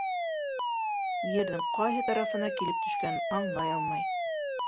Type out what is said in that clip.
Ерҙең ҡайһы тарафына килеп төшкәнен аңлай алмай.